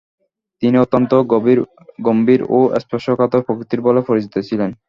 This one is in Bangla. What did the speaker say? তিনি অত্যন্ত গম্ভীর ও স্পর্শকাতর প্রকৃতির বলে পরিচিত ছিলেন।